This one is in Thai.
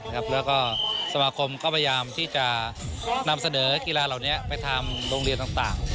แล้วก็สมาคมก็พยายามที่จะนำเสนอกีฬาเหล่านี้ไปทำโรงเรียนต่าง